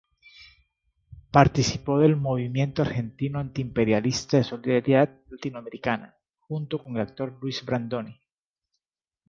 Participó del "Movimiento Argentino Antiimperialista de Solidaridad Latinoamericana", junto con el actor Luis Brandoni.